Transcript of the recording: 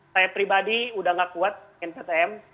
saya pribadi udah gak kuat nttm